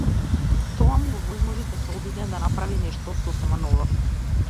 Тоа му овозможи да се обиде да направи нешто сосема ново.